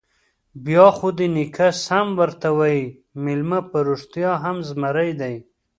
_بيا خو دې نيکه سم ورته وايي، مېلمه په رښتيا هم زمری دی.